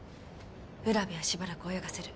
占部はしばらく泳がせる。